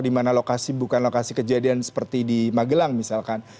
dimana lokasi bukan lokasi kejadian seperti di magelang misalkan